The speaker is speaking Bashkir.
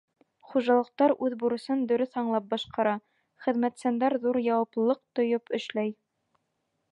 Хужалыҡтар үҙ бурысын дөрөҫ аңлап башҡара, хеҙмәтсәндәр ҙур яуаплылыҡ тойоп эшләй.